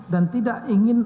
dan tidak ingin